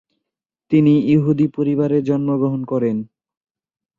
তিনি ইহুদী পরিবারে জন্মগ্রহণ করেন।